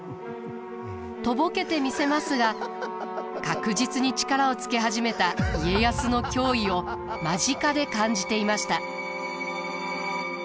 とぼけてみせますが確実に力をつけ始めた家康の脅威を間近で感じていました。